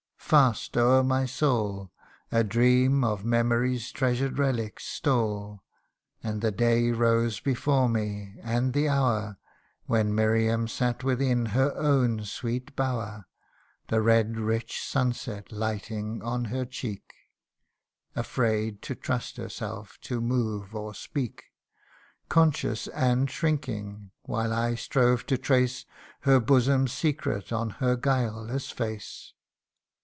Fast o'er my soul A dream of memory's treasured relics stole. And the day rose before me, and the hour, When Miriam sat within her own sweet bower, The red rich sunset lighting on her cheek ; Afraid to trust herself to move or speak, Conscious and shrinking while I strove to trace Her bosom's secret on her guileless face.